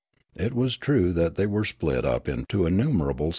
It was true that they were split up into in numerable